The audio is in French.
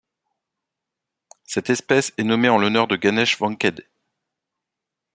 Cette espèce est nommée en l'honneur de Ganesh Vankhede.